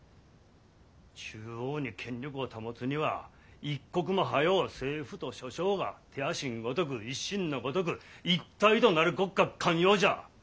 中央に権力を保つには一刻も早う政府と諸省が手足んごとく一身のごとく一体となるこっが肝要じゃ。